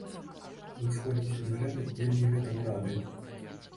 І ўсходні сюзерэн вельмі гэтаму рады.